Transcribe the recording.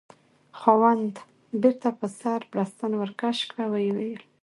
خاوند: بیرته په سر بړستن ورکش کړه، ویې ویل: